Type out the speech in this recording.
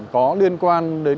có liên quan đến